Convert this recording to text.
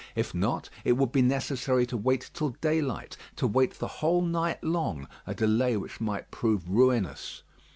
If not, it would be necessary to wait till daylight to wait the whole night long; a delay which might prove ruinous.